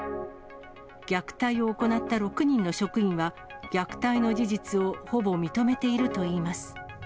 虐待を行った６人の職員は、虐待の事実をほぼ認めているといいます。